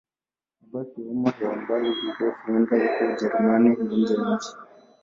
Mabasi ya umma ya umbali mrefu huenda huko Ujerumani na nje ya nchi.